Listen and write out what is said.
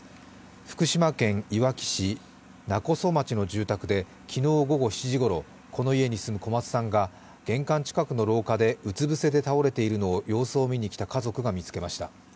福島県いわき市勿来町の住宅で昨日午後７時ごろ、この家に住む小松さんが玄関近くの廊下でうつ伏せで倒れているのを様子を見にきた家族が見つけました。